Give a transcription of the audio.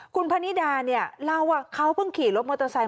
คุณพนิดาเนี่ยเล่าว่าเขาเพิ่งขี่รถมอเตอร์ไซค